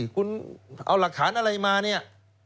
คุณเอาหลักฐานอะไรมาเนี่ย